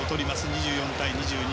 ２４対２２。